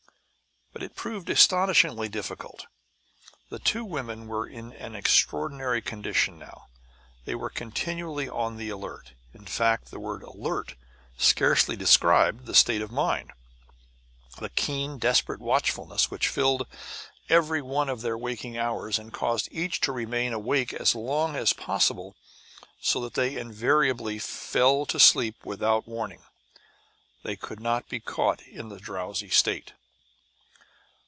But it proved astonishingly difficult. The two women were in an extraordinary condition now. They were continually on the alert. In fact, the word "alert" scarcely described the state of mind, the keen, desperate watchfulness which filled every one of their waking hours, and caused each to remain awake as long as possible; so that they invariably fell to sleep without warning. They could not be caught in the drowsy state!